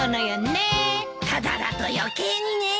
タダだと余計にね。